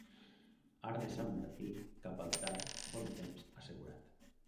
Arc de Sant Martí cap al tard, bon temps assegurat.